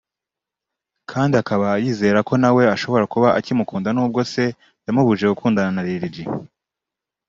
kandi akaba yizera ko nawe ashobora kuba akimukunda n’ubwo se yamubujije gukundana na Lil G